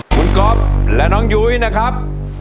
คุณก๊อฟและน้องยุ้ยนะครับ